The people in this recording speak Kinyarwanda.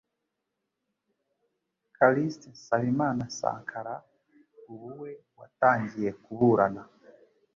Callixte Nsabimana 'Sankara' ubu we watangiye kuburana